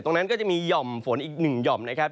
ก็จะมีหย่อมฝนอีกหนึ่งหย่อมนะครับ